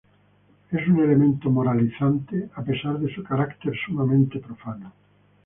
Es un elemento moralizante, a pesar de su carácter sumamente profano.